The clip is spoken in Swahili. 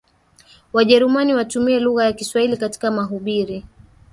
Wajerumani watumie lugha ya Kiswahili katika mahubiri